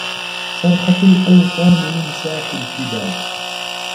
صرخة الأوطان من ساح الفدا